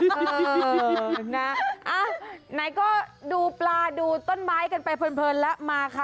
ไหนก็ดูปลาดูต้นไม้กันไปเพลินแล้วมาค่ะ